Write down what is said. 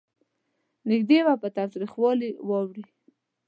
نږدې وه په تاوتریخوالي واوړي.